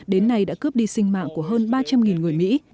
đến nay đã cướp đi sinh mạng của hơn ba trăm linh người mỹ